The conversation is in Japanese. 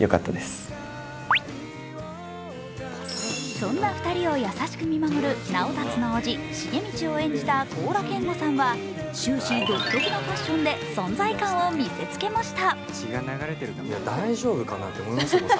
そんな２人を優しく見守る直達の叔父、茂道を演じた高良健吾さんは終始、独特なファッションで存在感を見せつけました。